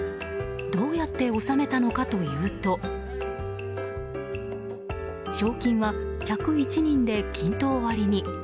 どうやって収めたのかというと賞金は１０１人で均等割りに。